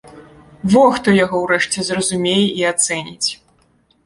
Во хто яго ўрэшце зразумее і ацэніць!